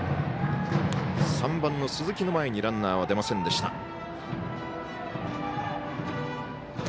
３番の鈴木の前にランナーは出ませんでした。